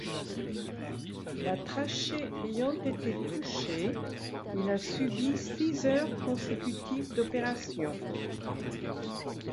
La trachée ayant été touchée, il a subi six heures consécutives d’opération.